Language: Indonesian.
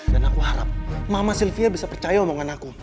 dan aku harap mama sylvia bisa percaya omongan aku